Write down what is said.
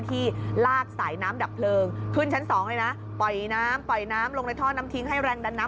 มีไหมเจอไหมเจอไหม